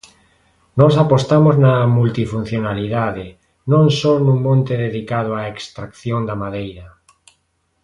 Nós apostamos na multifuncionalidade, non só nun monte dedicado á extracción da madeira.